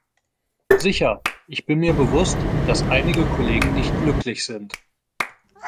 Sicher, ich bin mir bewusst, dass einige Kollegen nicht glücklich sind.